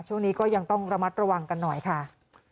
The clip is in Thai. ช่วงนี้ก็ยังต้องระมัดระวังกันหน่อยค่ะ